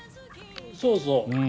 そうそう。